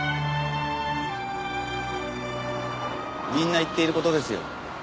みんな言っている事ですよ。